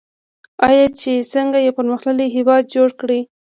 آیا چې څنګه یو پرمختللی هیواد جوړ کړي؟